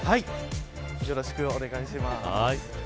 よろしくお願いします。